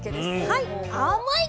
はい。